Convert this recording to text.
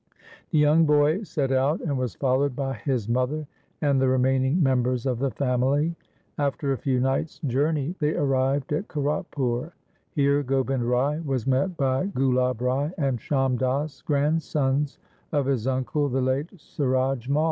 The young boy set out, and was followed by his mother and the remaining members of the family. After a few nights' journey they arrived at Kiratpur. Here Gobind Rai was met by Gulab Rai and Sham Das, grandsons of his uncle, the late Suraj Mai.